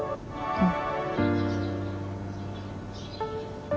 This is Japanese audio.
うん。